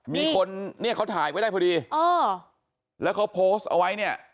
มีคนเนี่ยเขาถ่ายไว้ได้พอดีอ๋อแล้วเขาโพสต์เอาไว้เนี่ย